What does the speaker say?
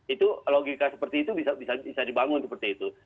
itu logika seperti itu bisa dibangun seperti itu